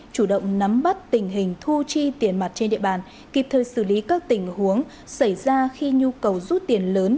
chủ động nắm bắt tình hình thu chi tiền mặt trên địa bàn kịp thời xử lý các tình huống xảy ra khi nhu cầu rút tiền lớn